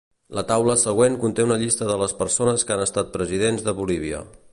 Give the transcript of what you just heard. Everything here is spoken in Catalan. La taula següent conté una llista de les persones que han estat Presidents de Bolívia.